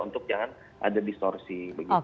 untuk jangan ada distorsi